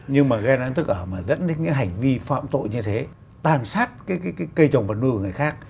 nhưng mà ghen ăn tức ở mà dẫn đến những hành vi phạm tội như thế tàn sát cây trồng và nuôi của người khác